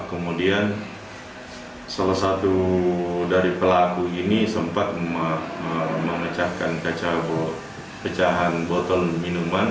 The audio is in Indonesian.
kemudian salah satu dari pelaku ini sempat memecahkan pecahan botol minuman